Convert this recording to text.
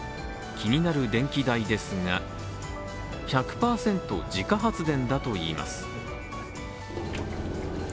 気になる電気代ですが１００％自家発電だといいます。